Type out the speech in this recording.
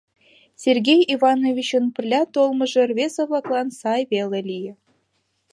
Сергей Ивановичын пырля толмыжо рвезе-влаклан сай веле лие.